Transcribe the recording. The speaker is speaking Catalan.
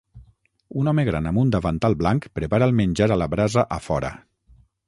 Un home gran amb un davantal blanc prepara el menjar a la brasa a fora.